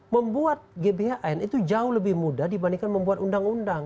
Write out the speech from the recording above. membuat gbhn itu jauh lebih mudah dibandingkan membuat undang undang